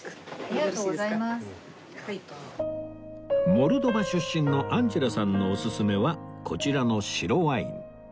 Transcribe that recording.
モルドバ出身のアンジェラさんのおすすめはこちらの白ワイン